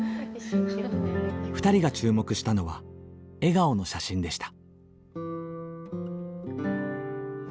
２人が注目したのは笑顔の写真でした。